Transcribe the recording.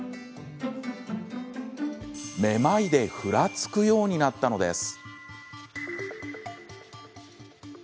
めまいでふらつくようになったのです。